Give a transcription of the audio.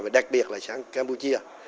và đặc biệt là sang campuchia